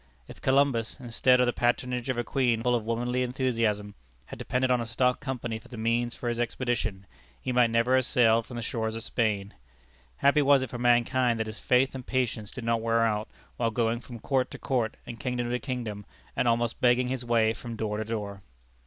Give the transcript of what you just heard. If Columbus, instead of the patronage of a Queen full of womanly enthusiasm, had depended on a stock company for the means for his expedition, he might never have sailed from the shores of Spain. Happy was it for mankind that his faith and patience did not wear out, while going from court to court, and kingdom to kingdom, and almost begging his way from door to door!